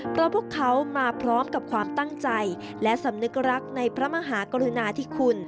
เพราะพวกเขามาพร้อมกับความตั้งใจและสำนึกรักในพระมหากรุณาธิคุณ